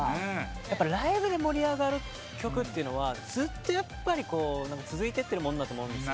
やっぱライブで盛り上がる曲っていうのはずっと続いてってるもんだと思うんですよ。